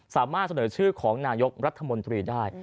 สามารถเสนอชื่อของนายกรัฐมนตรีได้